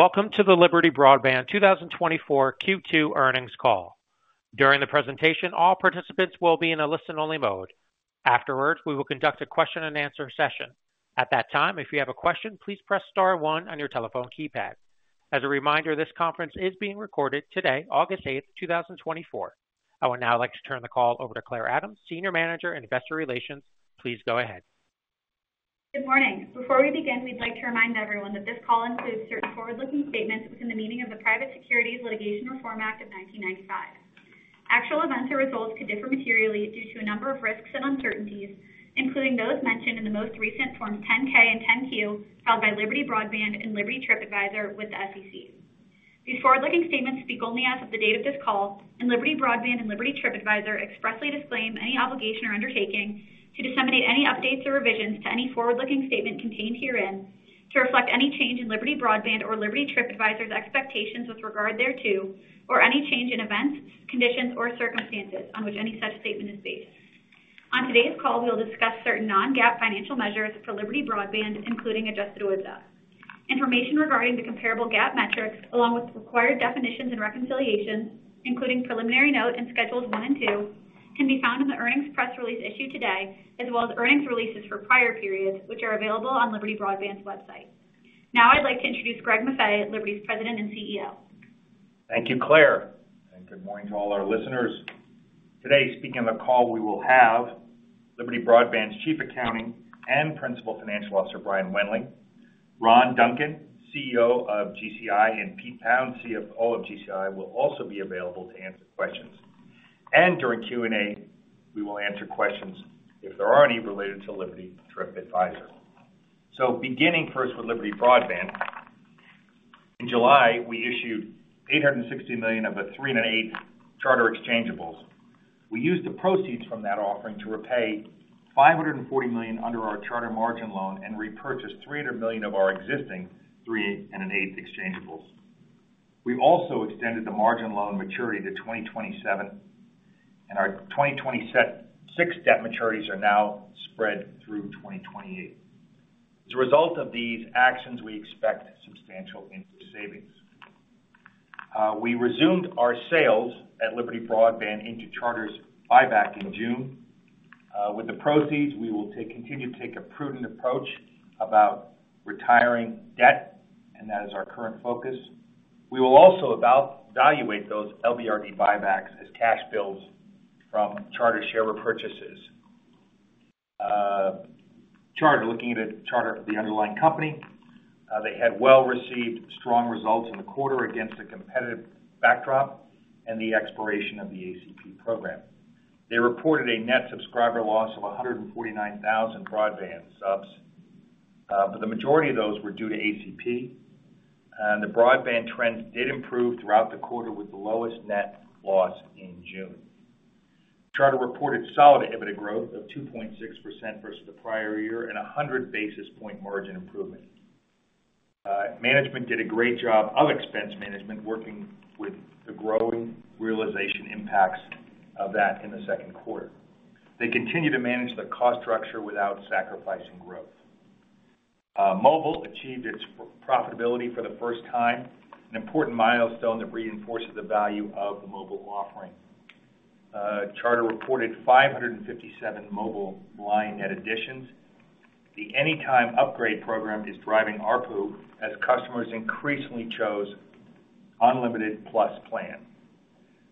Welcome to the Liberty Broadband 2024 Q2 Earnings Call. During the presentation, all participants will be in a listen-only mode. Afterwards, we will conduct a question-and-answer session. At that time, if you have a question, please press star one on your telephone keypad. As a reminder, this conference is being recorded today, August 8, 2024. I would now like to turn the call over to Clare Adams, Senior Manager in Investor Relations. Please go ahead. Good morning. Before we begin, we'd like to remind everyone that this call includes certain forward-looking statements within the meaning of the Private Securities Litigation Reform Act of 1995. Actual events or results could differ materially due to a number of risks and uncertainties, including those mentioned in the most recent Form 10-K and 10-Q filed by Liberty Broadband and Liberty TripAdvisor with the SEC. These forward-looking statements speak only as of the date of this call, and Liberty Broadband and Liberty TripAdvisor expressly disclaim any obligation or undertaking to disseminate any updates or revisions to any forward-looking statement contained herein to reflect any change in Liberty Broadband or Liberty TripAdvisor's expectations with regard thereto, or any change in events, conditions, or circumstances on which any such statement is based. On today's call, we'll discuss certain non-GAAP financial measures for Liberty Broadband, including adjusted OIBDA. Information regarding the comparable GAAP metrics, along with the required definitions and reconciliations, including preliminary note and schedules one and two, can be found in the earnings press release issued today, as well as earnings releases for prior periods, which are available on Liberty Broadband's website. Now, I'd like to introduce Greg Maffei, Liberty's President and CEO. Thank you, Clare, and good morning to all our listeners. Today, speaking on the call, we will have Liberty Broadband's Chief Accounting and Principal Financial Officer, Brian Wendling, Ron Duncan, CEO of GCI, and Peter Pounds, CFO of GCI, will also be available to answer questions. During Q&A, we will answer questions, if there are any, related to Liberty TripAdvisor. Beginning first with Liberty Broadband. In July, we issued $860 million of the 3 1/8 charter exchangeables. We used the proceeds from that offering to repay $540 million under our charter margin loan and repurchased $300 million of our existing 3 1/8 exchangeables. We've also extended the margin loan maturity to 2027, and our 2026 debt maturities are now spread through 2028. As a result of these actions, we expect substantial interest savings. We resumed our sales at Liberty Broadband into Charter's buyback in June. With the proceeds, we will continue to take a prudent approach about retiring debt, and that is our current focus. We will also evaluate those LBRD buybacks as cash bills from Charter share repurchases. Charter, looking at Charter, the underlying company, they had well-received strong results in the quarter against a competitive backdrop and the expiration of the ACP program. They reported a net subscriber loss of 149,000 broadband subs, but the majority of those were due to ACP, and the broadband trends did improve throughout the quarter, with the lowest net loss in June. Charter reported solid EBITDA growth of 2.6% versus the prior year and a 100 basis point margin improvement. Management did a great job of expense management, working with the growing realization impacts of that in the second quarter. They continue to manage the cost structure without sacrificing growth. Mobile achieved its profitability for the first time, an important milestone that reinforces the value of the mobile offering. Charter reported 557 mobile line net additions. The Anytime Upgrade program is driving ARPU as customers increasingly chose Unlimited Plus plan.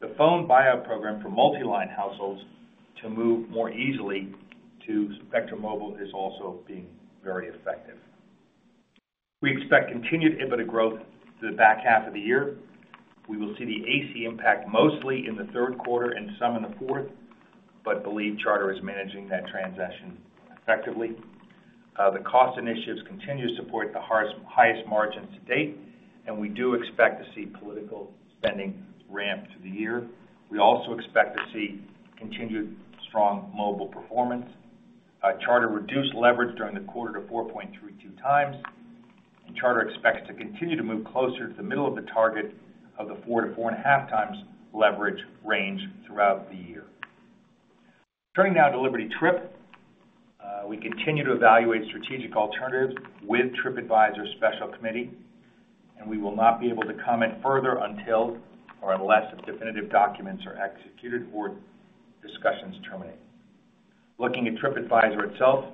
The phone buyout program for multi-line households to move more easily to Spectrum Mobile is also being very effective. We expect continued EBITDA growth to the back half of the year. We will see the ACP impact mostly in the third quarter and some in the fourth, but believe Charter is managing that transaction effectively. The cost initiatives continue to support the highest, highest margins to date, and we do expect to see political spending ramp through the year. We also expect to see continued strong mobile performance. Charter reduced leverage during the quarter to 4.32x, and Charter expects to continue to move closer to the middle of the target of the 4x-4.5x leverage range throughout the year. Turning now to Liberty TripAdvisor. We continue to evaluate strategic alternatives with TripAdvisor special committee, and we will not be able to comment further until or unless the definitive documents are executed or discussions terminate. Looking at TripAdvisor itself,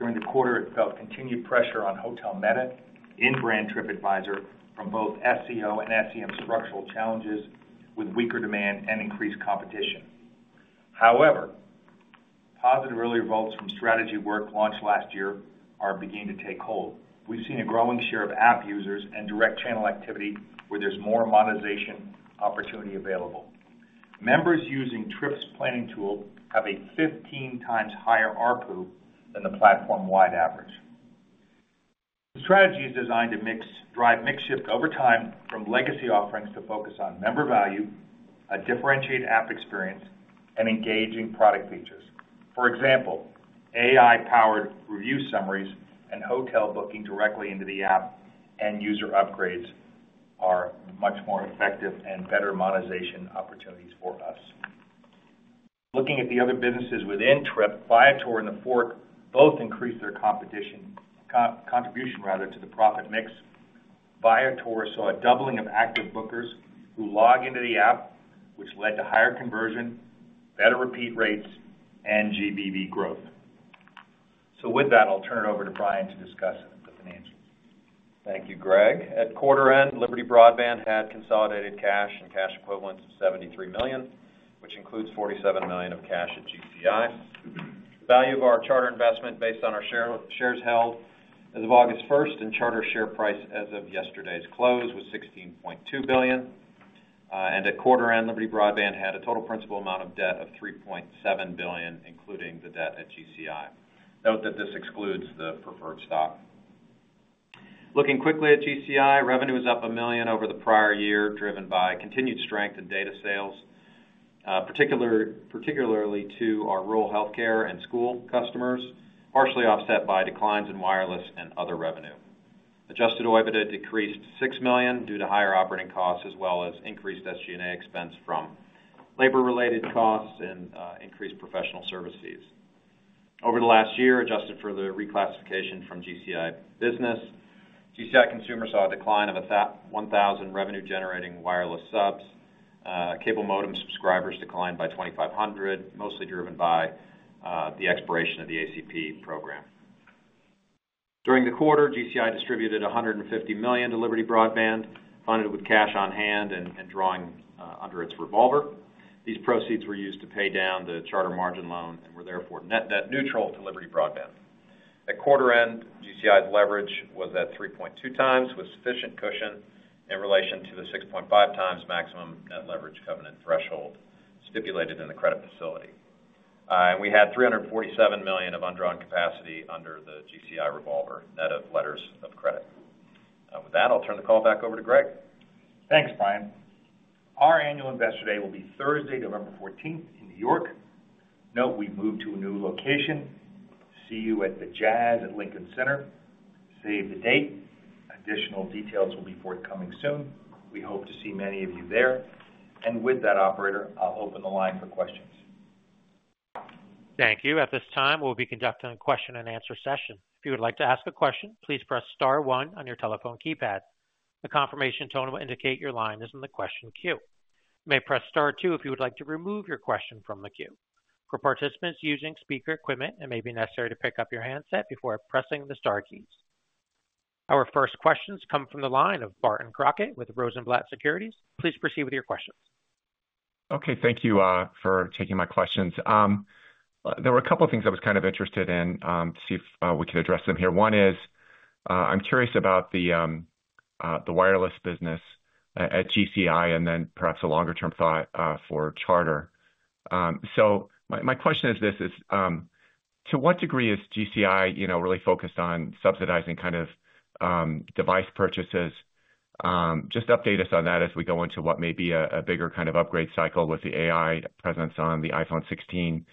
during the quarter, it felt continued pressure on hotel meta in brand TripAdvisor from both SEO and SEM structural challenges with weaker demand and increased competition. However, positive early results from strategy work launched last year are beginning to take hold. We've seen a growing share of app users and direct channel activity where there's more monetization opportunity available. Members using Trip's planning tool have a 15x higher ARPU than the platform-wide average. The strategy is designed to drive mix shift over time from legacy offerings to focus on member value, a differentiated app experience, and engaging product features. For example, AI-powered review summaries and hotel booking directly into the app and user upgrades are much more effective and better monetization opportunities for us... Looking at the other businesses within Trip, Viator, and TheFork both increased their contribution rather, to the profit mix. Viator saw a doubling of active bookers who log into the app, which led to higher conversion, better repeat rates, and GBV growth. So with that, I'll turn it over to Brian to discuss the financials. Thank you, Greg. At quarter end, Liberty Broadband had consolidated cash and cash equivalents of $73 million, which includes $47 million of cash at GCI. The value of our Charter investment, based on our shares held as of August 1st, and Charter share price as of yesterday's close, was $16.2 billion. And at quarter end, Liberty Broadband had a total principal amount of debt of $3.7 billion, including the debt at GCI. Note that this excludes the preferred stock. Looking quickly at GCI, revenue is up a million over the prior year, driven by continued strength in data sales, particularly to our rural healthcare and school customers, partially offset by declines in wireless and other revenue. Adjusted OIBDA decreased $6 million due to higher operating costs, as well as increased SG&A expense from labor-related costs and increased professional service fees. Over the last year, adjusted for the reclassification from GCI business, GCI Consumer saw a decline of 1,000 revenue-generating wireless subs. Cable modem subscribers declined by 2,500, mostly driven by the expiration of the ACP program. During the quarter, GCI distributed $150 million to Liberty Broadband, funded with cash on hand and drawing under its revolver. These proceeds were used to pay down the Charter margin loan and were therefore net net neutral to Liberty Broadband. At quarter end, GCI's leverage was at 3.2x, with sufficient cushion in relation to the 6.5x maximum net leverage covenant threshold stipulated in the credit facility. And we had $347 million of undrawn capacity under the GCI revolver, net of letters of credit. With that, I'll turn the call back over to Greg. Thanks, Brian. Our Annual Investor Day will be Thursday, November fourteenth, in New York. Note we moved to a new location. See you at the Jazz at Lincoln Center. Save the date. Additional details will be forthcoming soon. We hope to see many of you there. With that operator, I'll open the line for questions. Thank you. At this time, we'll be conducting a question-and-answer session. If you would like to ask a question, please press star one on your telephone keypad. A confirmation tone will indicate your line is in the question queue. You may press star two if you would like to remove your question from the queue. For participants using speaker equipment, it may be necessary to pick up your handset before pressing the star keys. Our first questions come from the line of Barton Crockett with Rosenblatt Securities. Please proceed with your questions. Okay, thank you for taking my questions. There were a couple of things I was kind of interested in, to see if we could address them here. One is, I'm curious about the wireless business at GCI and then perhaps a longer-term thought for Charter. So my question is this: to what degree is GCI, you know, really focused on subsidizing kind of device purchases? Just update us on that as we go into what may be a bigger kind of upgrade cycle with the AI presence on the iPhone 16.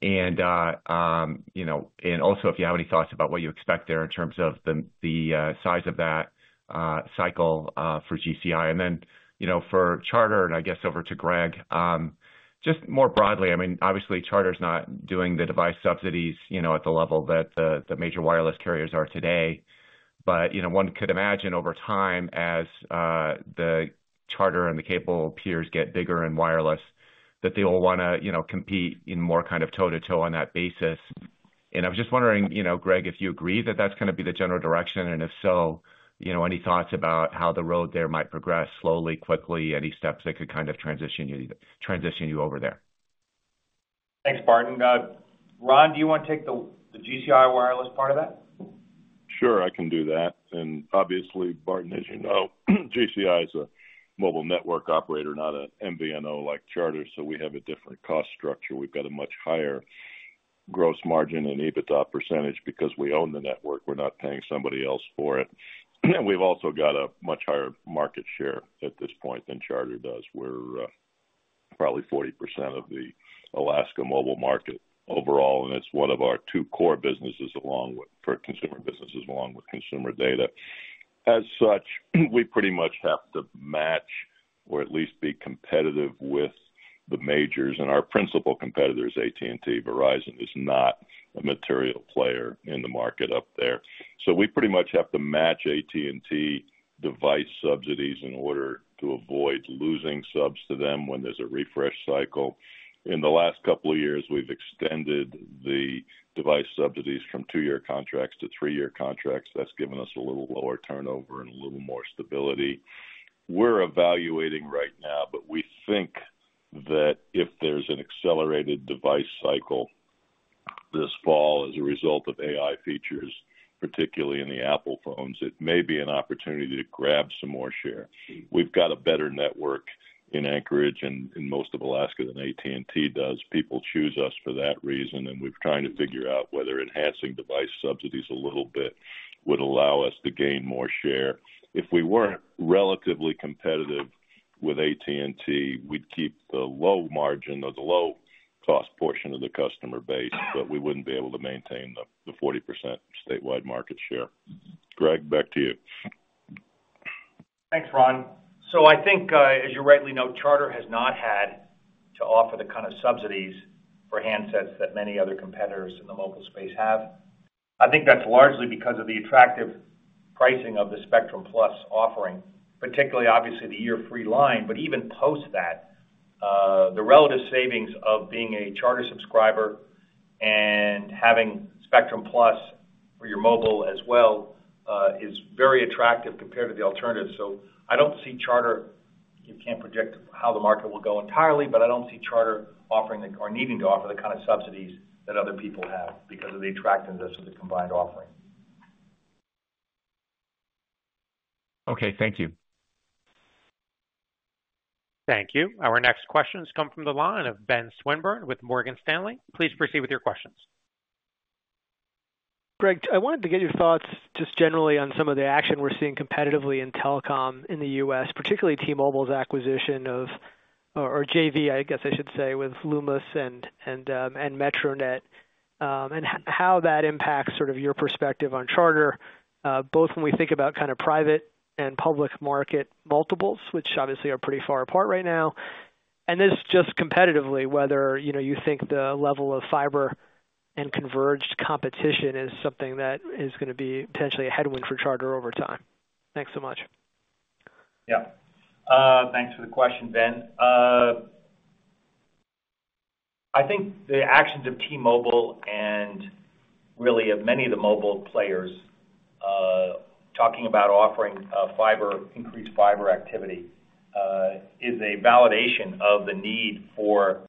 You know, and also, if you have any thoughts about what you expect there in terms of the size of that cycle for GCI, and then, you know, for Charter, and I guess over to Greg. Just more broadly, I mean, obviously, Charter's not doing the device subsidies, you know, at the level that the major wireless carriers are today. But, you know, one could imagine over time, as the Charter and the cable peers get bigger in wireless, that they will want to, you know, compete in more kind of toe-to-toe on that basis. And I was just wondering, you know, Greg, if you agree that that's going to be the general direction, and if so, you know, any thoughts about how the road there might progress? Slowly, quickly, any steps that could kind of transition you, transition you over there. Thanks, Barton. Ron, do you want to take the GCI wireless part of that? Sure, I can do that. And obviously, Barton, as you know, GCI is a mobile network operator, not an MVNO like Charter, so we have a different cost structure. We've got a much higher gross margin and EBITDA percentage because we own the network. We're not paying somebody else for it. And we've also got a much higher market share at this point than Charter does. We're probably 40% of the Alaska mobile market overall, and it's one of our two core businesses, along with... For consumer businesses, along with consumer data. As such, we pretty much have to match or at least be competitive with the majors, and our principal competitor is AT&T. Verizon is not a material player in the market up there. So we pretty much have to match AT&T device subsidies in order to avoid losing subs to them when there's a refresh cycle. In the last couple of years, we've extended the device subsidies from 2-year contracts to 3-year contracts. That's given us a little lower turnover and a little more stability. We're evaluating right now, but we think that if there's an accelerated device cycle this fall as a result of AI features, particularly in the Apple phones, it may be an opportunity to grab some more share. We've got a better network in Anchorage and in most of Alaska than AT&T does. People choose us for that reason, and we're trying to figure out whether enhancing device subsidies a little bit would allow us to gain more share. If we weren't relatively competitive with AT&T, we'd keep the low margin or the low-cost portion of the customer base, but we wouldn't be able to maintain the 40% statewide market share. Greg, back to you. .Thanks, Ron. So I think, as you rightly note, Charter has not had to offer the kind of subsidies for handsets that many other competitors in the mobile space have. I think that's largely because of the attractive pricing of the Spectrum+ offering, particularly obviously the year free line, but even post that, the relative savings of being a Charter subscriber and having Spectrum+ for your mobile as well, is very attractive compared to the alternative. So I don't see Charter, you can't predict how the market will go entirely, but I don't see Charter offering or needing to offer the kind of subsidies that other people have because of the attractiveness of the combined offering. Okay, thank you. Thank you. Our next questions come from the line of Ben Swinburne with Morgan Stanley. Please proceed with your questions. Greg, I wanted to get your thoughts just generally on some of the action we're seeing competitively in telecom in the U.S., particularly T-Mobile's acquisition of, or JV, I guess I should say, with Lumos and MetroNet, and how that impacts sort of your perspective on Charter, both when we think about kind of private and public market multiples, which obviously are pretty far apart right now. And then just competitively, whether, you know, you think the level of fiber and converged competition is something that is gonna be potentially a headwind for Charter over time. Thanks so much. Yeah. Thanks for the question, Ben. I think the actions of T-Mobile and really of many of the mobile players, talking about offering, fiber, increased fiber activity, is a validation of the need for,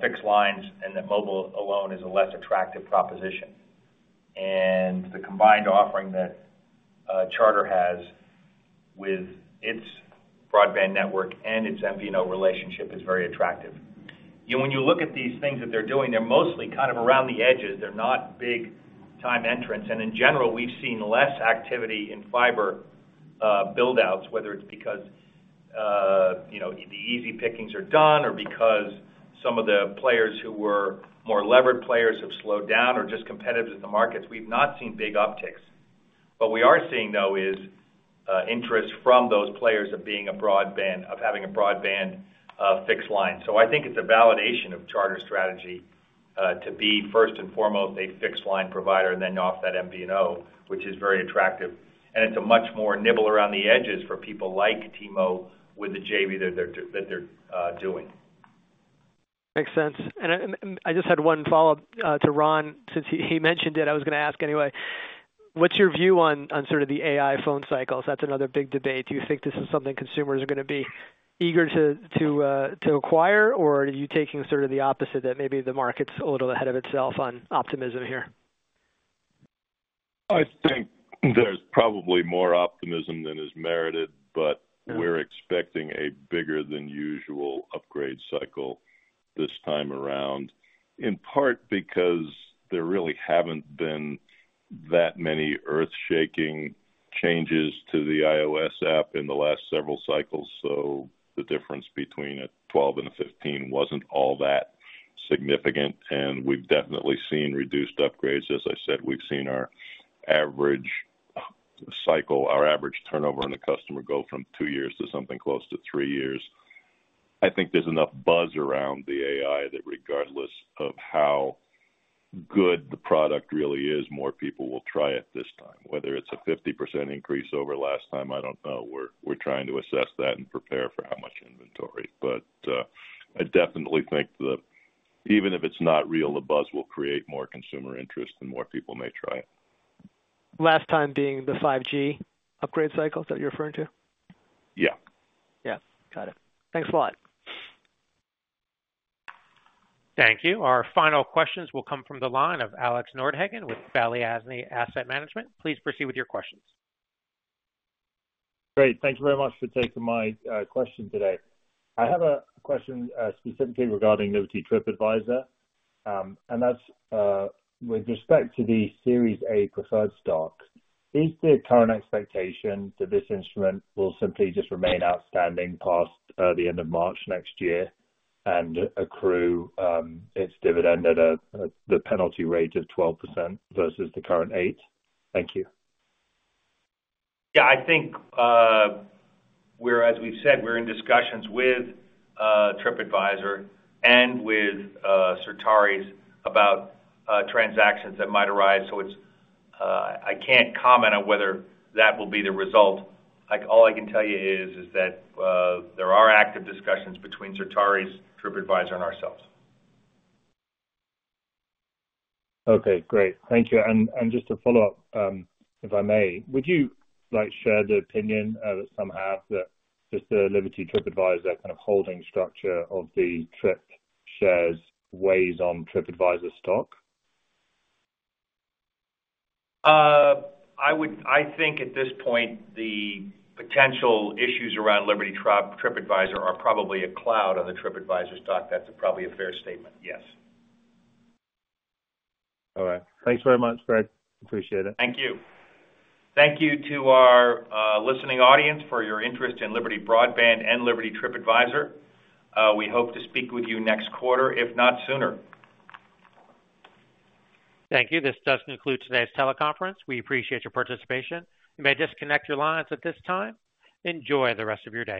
fixed lines, and that mobile alone is a less attractive proposition. And the combined offering that, Charter has with its broadband network and its MVNO relationship is very attractive. You know, when you look at these things that they're doing, they're mostly kind of around the edges. They're not big time entrants, and in general, we've seen less activity in fiber, build-outs, whether it's because, you know, the easy pickings are done or because some of the players who were more levered players have slowed down or just competitive with the markets. We've not seen big upticks. What we are seeing, though, is interest from those players of being a broadband, of having a broadband, fixed line. So I think it's a validation of Charter's strategy to be, first and foremost, a fixed line provider and then off that MVNO, which is very attractive. And it's a much more nibble around the edges for people like T-Mo with the JV that they're doing. Makes sense. And I just had one follow-up to Ron, since he mentioned it. I was gonna ask anyway. What's your view on sort of the AI phone cycles? That's another big debate. Do you think this is something consumers are gonna be eager to acquire, or are you taking sort of the opposite, that maybe the market's a little ahead of itself on optimism here? I think there's probably more optimism than is merited, but we're expecting a bigger than usual upgrade cycle this time around, in part because there really haven't been that many earthshaking changes to the iOS app in the last several cycles, so the difference between a 12 and a 15 wasn't all that significant, and we've definitely seen reduced upgrades. As I said, we've seen our average cycle, our average turnover on a customer go from two years to something close to three years. I think there's enough buzz around the AI that regardless of how good the product really is, more people will try it this time. Whether it's a 50% increase over last time, I don't know. We're, we're trying to assess that and prepare for how much inventory. I definitely think that even if it's not real, the buzz will create more consumer interest and more people may try it. Last time being the 5G upgrade cycle that you're referring to? Yeah. Yeah. Got it. Thanks a lot. Thank you. Our final questions will come from the line of Alex Nordhagen with Balyasny Asset Management. Please proceed with your questions. Great. Thank you very much for taking my question today. I have a question specifically regarding Liberty TripAdvisor, and that's with respect to the Series A preferred stock. Is the current expectation that this instrument will simply just remain outstanding past the end of March next year and accrue its dividend at a, at the penalty rate of 12% versus the current 8%? Thank you. Yeah, I think we're as we've said, we're in discussions with Tripadvisor and with Certares about transactions that might arise. So it's... I can't comment on whether that will be the result. Like, all I can tell you is that there are active discussions between Certares, Tripadvisor and ourselves. Okay, great. Thank you. Just to follow up, if I may, would you like share the opinion somehow that the Liberty TripAdvisor kind of holding structure of the Trip shares weighs on Tripadvisor stock? I would, I think at this point, the potential issues around Liberty TripAdvisor are probably a cloud on the Tripadvisor stock. That's probably a fair statement, yes. All right. Thanks very much, Greg. Appreciate it. Thank you. Thank you to our listening audience for your interest in Liberty Broadband and Liberty TripAdvisor. We hope to speak with you next quarter, if not sooner. Thank you. This does conclude today's teleconference. We appreciate your participation. You may disconnect your lines at this time. Enjoy the rest of your day.